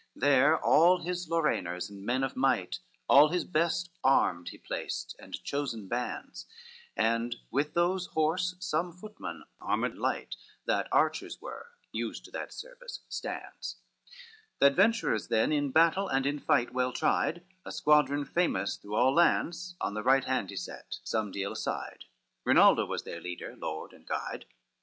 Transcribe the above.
X There all his Lorrainers and men of might, All his best armed he placed, and chosen bands, And with those horse some footmen armed light, That archers were, used to that service, stands; The adventurers then, in battle and in fight Well tried, a squadron famous through all lands, On the right hand he set, somedeal aside, Rinaldo was their leader, lord and guide.